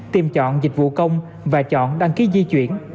tìm chọn dịch vụ công và chọn đăng ký di chuyển